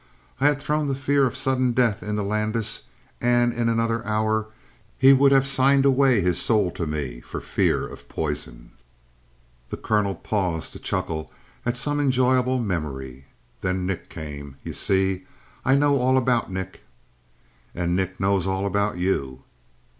I had thrown the fear of sudden death into Landis, and in another hour he would have signed away his soul to me for fear of poison." The colonel paused to chuckle at some enjoyable memory. "Then Nick came. You see, I know all about Nick." "And Nick knows all about you?"